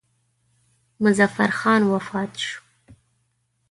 مظفر خان وفات شو.